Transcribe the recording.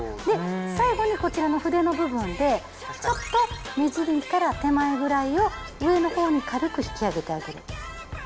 で最後にこちらの筆の部分でちょっと目尻から手前ぐらいを上の方に軽く引き上げてあげる。